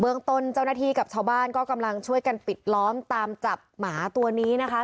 เมืองต้นเจ้าหน้าที่กับชาวบ้านก็กำลังช่วยกันปิดล้อมตามจับหมาตัวนี้นะคะ